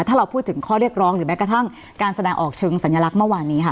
ถ้าเราพูดถึงข้อเรียกร้องหรือแม้กระทั่งการแสดงออกเชิงสัญลักษณ์เมื่อวานนี้ค่ะ